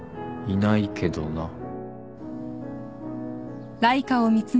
「いないけどな」